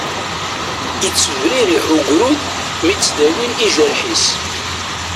Yettebririḥ ugrud mi ttdawin iǧerḥ-is.